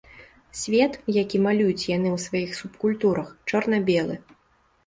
Свет, які малююць яны ў сваіх субкультурах, чорна-белы.